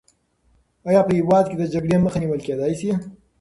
آیا په هېواد کې د جګړې مخه نیول کېدای سي؟